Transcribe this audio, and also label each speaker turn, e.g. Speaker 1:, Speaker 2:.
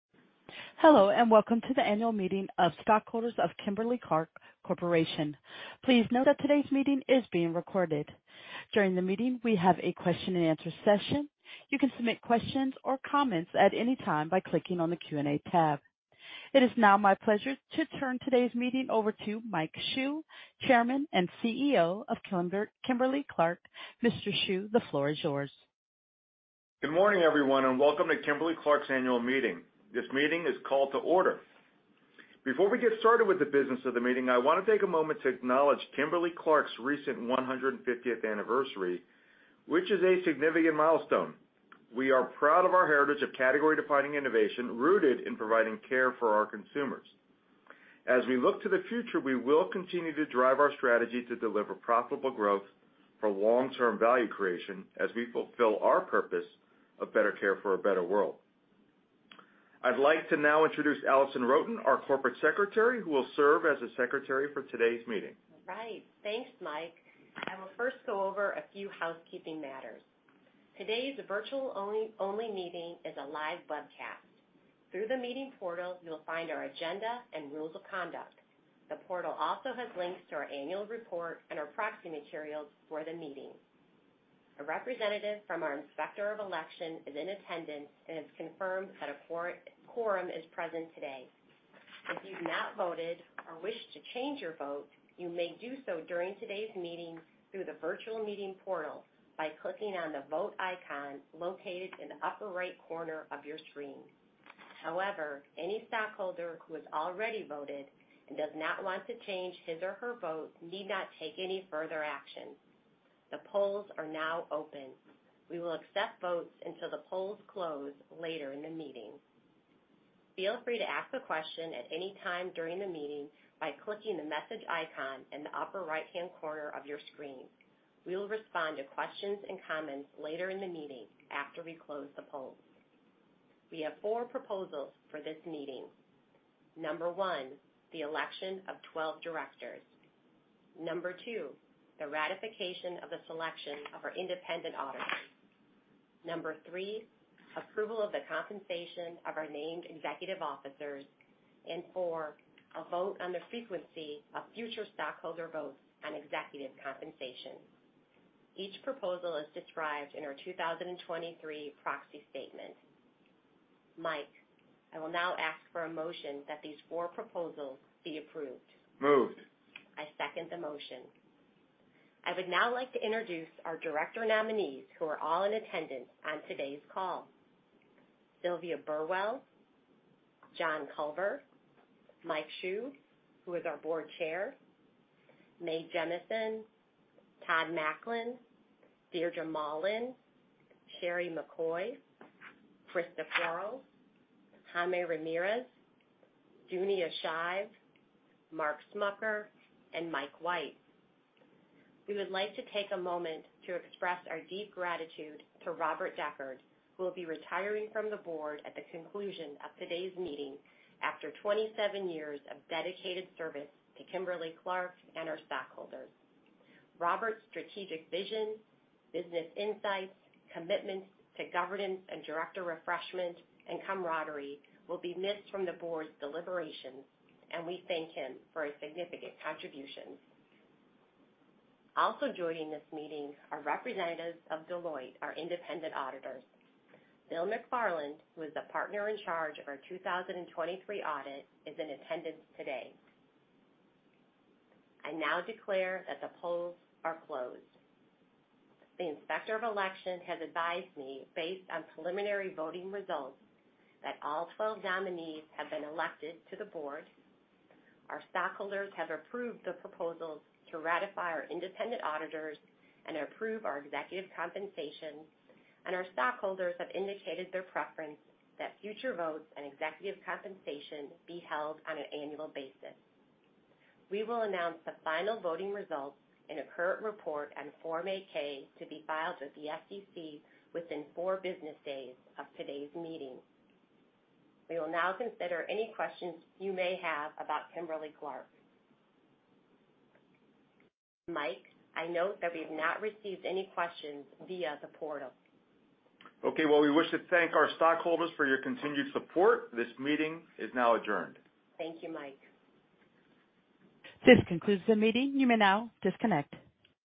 Speaker 1: Hello, welcome to the annual meeting of stockholders of Kimberly-Clark Corporation. Please note that today's meeting is being recorded. During the meeting, we have a question-and-answer session. You can submit questions or comments at any time by clicking on the Q&A tab. It is now my pleasure to turn today's meeting over to Mike Hsu, Chairman and CEO of Kimberly-Clark. Mr. Hsu, the floor is yours.
Speaker 2: Good morning, everyone, welcome to Kimberly-Clark's annual meeting. This meeting is called to order. Before we get started with the business of the meeting, I wanna take a moment to acknowledge Kimberly-Clark's recent 150th anniversary, which is a significant milestone. We are proud of our heritage of category-defining innovation rooted in providing care for our consumers. As we look to the future, we will continue to drive our strategy to deliver profitable growth for long-term value creation as we fulfill our purpose of better care for a better world. I'd like to now introduce Alison Rhoten, our Corporate Secretary, who will serve as the secretary for today's meeting.
Speaker 3: All right. Thanks, Mike. I will first go over a few housekeeping matters. Today's virtual-only meeting is a live webcast. Through the meeting portal, you'll find our agenda and rules of conduct. The portal also has links to our annual report and our proxy materials for the meeting. A representative from our Inspector of Election is in attendance and has confirmed that a quorum is present today. If you've not voted or wish to change your vote, you may do so during today's meeting through the virtual meeting portal by clicking on the Vote icon located in the upper right corner of your screen. Any stockholder who has already voted and does not want to change his or her vote need not take any further action. The polls are now open. We will accept votes until the polls close later in the meeting. Feel free to ask a question at any time during the meeting by clicking the Message icon in the upper right-hand corner of your screen. We will respond to questions and comments later in the meeting after we close the polls. We have four proposals for this meeting. Number one, the election of 12 directors. Number two, the ratification of the selection of our independent auditors. Number three, approval of the compensation of our named executive officers and four, a vote on the frequency of future stockholder votes on executive compensation. Each proposal is described in our 2023 proxy statement. Mike, I will now ask for a motion that these four proposals be approved.
Speaker 2: Moved.
Speaker 3: I second the motion. I would now like to introduce our director nominees who are all in attendance on today's call. Sylvia Burwell, John Culver, Mike Hsu, who is our board chair, Mae Jemison, Todd Maclin, Deirdre Mahlan, Sheri McCoy, Christa Quarles, Jaime Ramirez, Dunia Shive, Mark Smucker, and Mike White. We would like to take a moment to express our deep gratitude to Robert Decherd, who will be retiring from the board at the conclusion of today's meeting after 27 years of dedicated service to Kimberly-Clark and our stockholders. Robert's strategic vision, business insights, commitment to governance and director refreshment, and camaraderie will be missed from the board's deliberations, and we thank him for his significant contributions. Also joining this meeting are representatives of Deloitte, our independent auditors. Bill McFarland, who is the partner in charge of our 2023 audit, is in attendance today. I now declare that the polls are closed. The Inspector of Election has advised me, based on preliminary voting results, that all 12 nominees have been elected to the board, our stockholders have approved the proposals to ratify our independent auditors and approve our executive compensation, and our stockholders have indicated their preference that future votes and executive compensation be held on an annual basis. We will announce the final voting results in a current report on Form 8-K to be filed with the SEC within four business days of today's meeting. We will now consider any questions you may have about Kimberly-Clark. Mike, I note that we've not received any questions via the portal.
Speaker 2: Okay. Well, we wish to thank our stockholders for your continued support. This meeting is now adjourned.
Speaker 3: Thank you, Mike.
Speaker 1: This concludes the meeting. You may now disconnect.